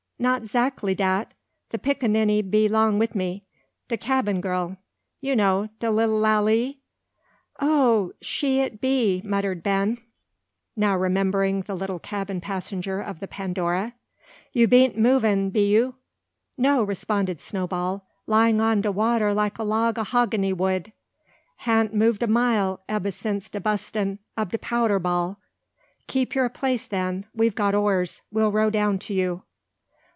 "Not 'zackly dat. The pickaninny be long wi' me, de cabing gal. You know de lilly Lalee?" "Oh! she it be!" muttered Ben, now remembering the little cabin passenger of the Pandora. "You bean't movin', be you?" "No," responded Snowball, "lying on de water like a log o' 'hogany wood. Han't move a mile ebba since de bustin' ob de powder ball." "Keep your place then. We've got oars. We'll row down to you."